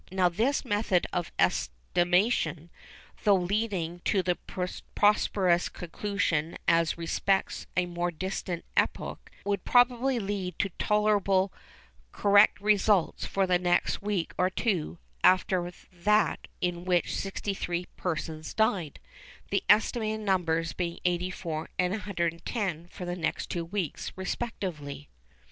Now this method of estimation, though leading to this preposterous conclusion as respects a more distant epoch, would probably lead to tolerably correct results for the next week or two after that in which 63 persons died,—the estimated numbers being 84 and 110 for the next two weeks respectively.